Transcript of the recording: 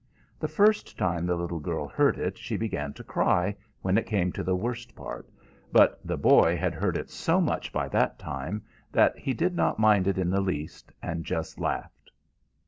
The first time the little girl heard it she began to cry, when it came to the worst part; but the boy had heard it so much by that time that he did not mind it in the least, and just laughed.